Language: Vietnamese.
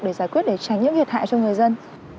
để giải quyết để tránh những thiệt hại cho người dân